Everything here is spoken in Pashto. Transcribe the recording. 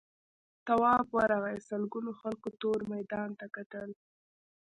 تواب ورغی سلگونو خلکو تور میدان ته کتل.